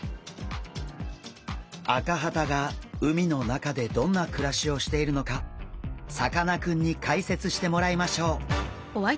アカハタが海の中でどんな暮らしをしているのかさかなクンに解説してもらいましょう。